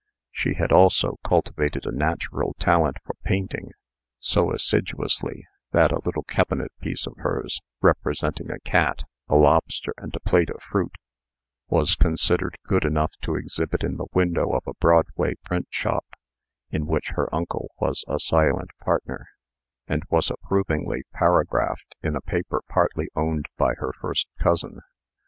She had also cultivated a natural talent for painting, so assiduously, that a little cabinet piece of hers, representing a cat, a lobster, and a plate of fruit, was considered good enough to exhibit in the window of a Broadway print shop, in which her uncle was a silent partner, and was approvingly paragraphed in a paper partly owned by her first cousin.